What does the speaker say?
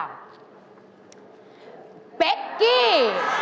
เบ๊กกี้